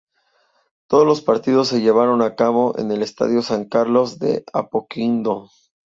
Todos los partidos se llevaron a cabo en el Estadio San Carlos de Apoquindo.